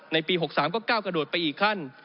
ปี๖๓ก็ก้าวกระโดดไปอีกขั้น